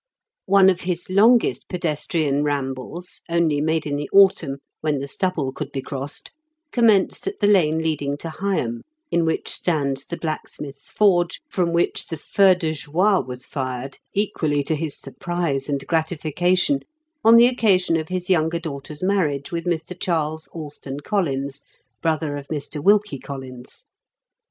One of his longest pedestrian tamblee, only made in the autumn when the stubble could be crossed, commenced at the lane leading to Higham, in which stands the blacksmith's forge from which the feu de joie was fired, equally to his surprise and gratification, on the occasion of his younger daughter's marriage with Mr. Charles Allston Collins, brother of Mr. Wilkie Collins.